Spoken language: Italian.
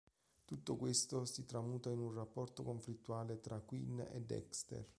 Tutto questo si tramuta in un rapporto conflittuale tra Quinn e Dexter.